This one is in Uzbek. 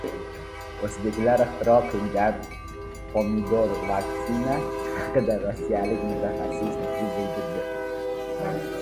O‘zbeklar ixtiro qilgan "pomidor-vaksina" haqida rossiyalik mutaxassis fikr bildirdi